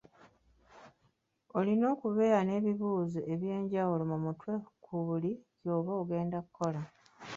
Olina okubeera n'ebibuuzo eby'enjawulo mu mutwe ku buli ky'oba ogenda okukola.